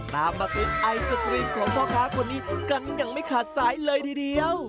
ตามมาซื้อไอศกรีมของพ่อค้าคนนี้กันอย่างไม่ขาดสายเลยทีเดียว